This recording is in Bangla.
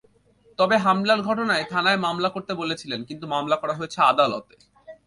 তবে হামলার ঘটনায় থানায় মামলা করতে বলেছিলেন, কিন্তু মামলা করা হয়েছে আদালতে।